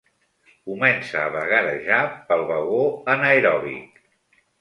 Comença a vagarejar pel vagó anaeròbic.